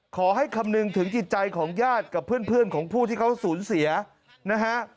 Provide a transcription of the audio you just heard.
คำนึงถึงจิตใจของญาติกับเพื่อนของผู้ที่เขาสูญเสียนะฮะ